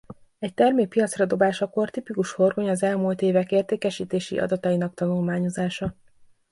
Egy termék piacra dobásakor tipikus horgony az elmúlt évek értékesítési adatainak tanulmányozása.